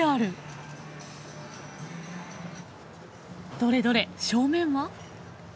どれどれ正面は。